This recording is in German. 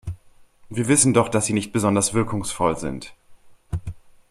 Wir wissen doch, dass sie nicht besonders wirkungsvoll sind.